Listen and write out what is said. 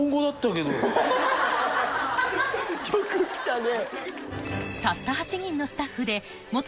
よく来たね。